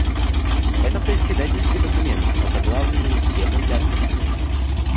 Это председательский документ, озаглавленный "Темы для осмысления".